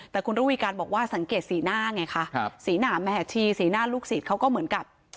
แต่คุณระวีการบอกว่าสังเกตสีหน้าไงคะสีหน้าแม่ชีสีหน้าลูกศิษย์เขาก็เหมือนกับ